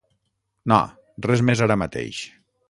No, res més ara mateix.